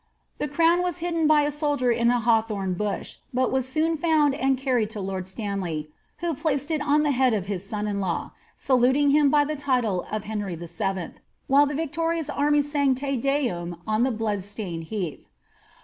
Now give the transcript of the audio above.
The crown was hidden by a soldier in a hawthorn* bush, but was soon found and carried to lord Stanley, who placed it on the head of his son in law, saluting him by the title of Henry VIL, while the victorious army sang Te Deum on the blood stained heath.